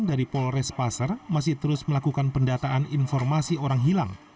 dari polres pasar masih terus melakukan pendataan informasi orang hilang